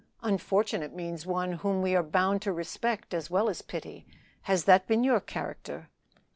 "Unfortunate means one whom we are bound to respect as well as pity. Has that been your character?"